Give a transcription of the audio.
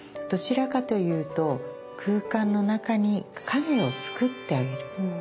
どちらかというと空間の中に影をつくってあげる。